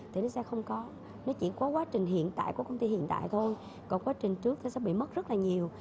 thì nó sẽ không có nó chỉ có quá trình hiện tại của công ty hiện tại thôi còn quá trình trước thì sẽ bị mất rất là nhiều